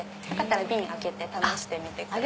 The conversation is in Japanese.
瓶開けて試してみてください。